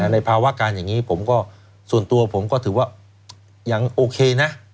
ในภาวะการอย่างนี้ผมก็ส่วนตัวผมก็ถือว่ายังโอเคนะ